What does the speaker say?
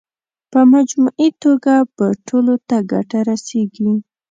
په مجموعي توګه به ټولو ته ګټه رسېږي.